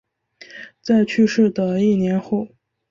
在去世的一年后